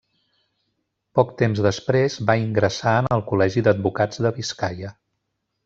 Poc temps després va ingressar en el Col·legi d'Advocats de Biscaia.